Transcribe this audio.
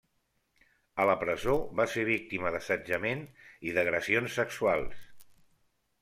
A la presó, va ser víctima d'assetjament i d'agressions sexuals.